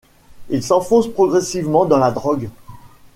Il s'enfonce progressivement dans la drogue.